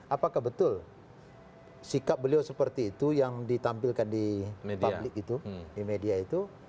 apakah betul sikap beliau seperti itu yang ditampilkan di media itu